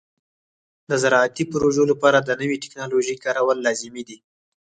د زراعتي پروژو لپاره د نوې ټکنالوژۍ کارول لازمي دي.